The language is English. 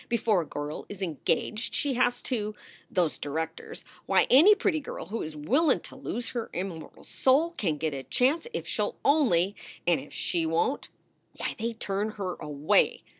Before a girl is engaged she has to Those directors Why, any pretty girl who is willin to lose her immortal soul can get a chance if she ll only And if she won t why, they turn her away.